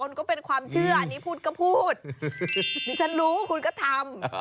ก็เป็นความเชื่ออันนี้พูดก็พูดดิฉันรู้คุณก็ทำ